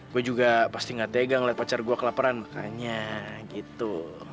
gue juga pasti gak tegang lihat pacar gue kelaparan makanya gitu